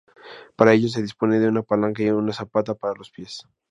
Para ello se dispone de una palanca o una zapata para los pies.